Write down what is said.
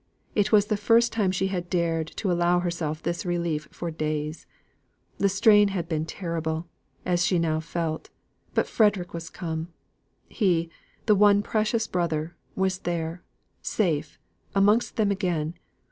It was the first time she had dared to allow herself this relief for days. The strain had been terrible, as she now felt. But Frederick was come! He, the one precious brother, was there, safe, amongst them again!